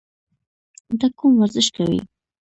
ته کوم ورزش کوې؟